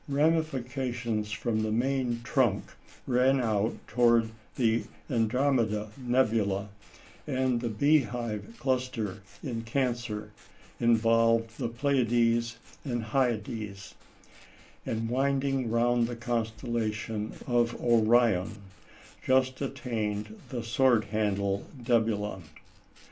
Ramifications from the main trunk ran out towards the Andromeda nebula and the "Bee hive" cluster in Cancer, involved the Pleiades and Hyades, and, winding round the constellation of Orion, just attained the Sword handle nebula.